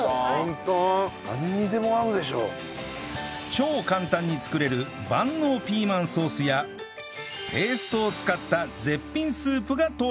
超簡単に作れる万能ピーマンソースやペーストを使った絶品スープが登場